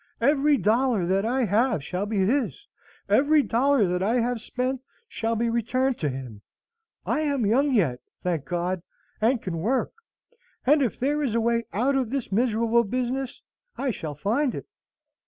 Every dollar that I have shall be his, every dollar that I have spent shall be returned to him. I am young yet, thank God, and can work; and if there is a way out of this miserable business, I shall find it."